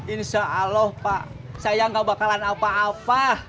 insya allah pak saya gak bakalan apa apa